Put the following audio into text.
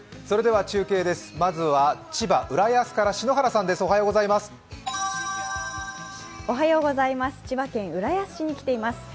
それでは中継です。